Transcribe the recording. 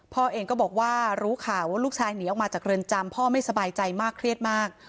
พ่อเองก็บอกว่ารู้ข่าวว่าลูกชายหนีออกมาจากเรือนจำพ่อไม่สบายใจมากเครียดมาก